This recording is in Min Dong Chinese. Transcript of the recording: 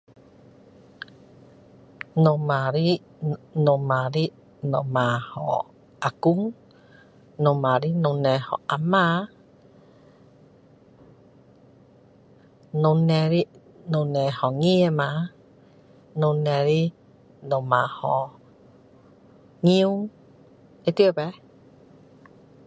爸爸的爸爸叫啊公爸爸的妈妈叫啊嫲妈妈的妈妈叫外婆妈妈的爸爸叫外公会对吗